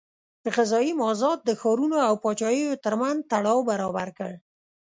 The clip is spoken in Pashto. غذایي مازاد د ښارونو او پاچاهیو ترمنځ تړاو برابر کړ.